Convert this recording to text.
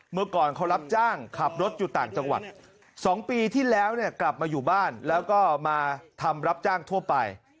เมื่อก่อนเขารับจ้างขับรถอยู่ต่างจังหวัด๒ปีที่แล้วเนี่ยกลับมาอยู่บ้านแล้วก็มาทำรับจ้างทั่วไป